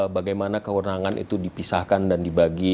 bagaimana kewenangan itu dipisahkan dan dibagi